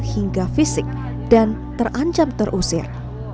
hingga fisik dan terancam terusir